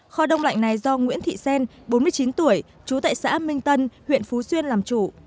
kho đông lạnh này do nguyễn thị xen bốn mươi chín tuổi trú tại xã minh tân huyện phú xuyên làm chủ